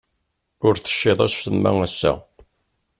Ur teččiḍ acemma ass-a?